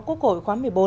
quốc hội khóa một mươi bốn